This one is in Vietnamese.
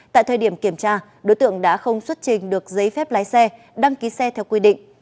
tại thời điểm kiểm tra đối tượng đã không xuất trình được giấy phép lái xe đăng ký xe theo quy định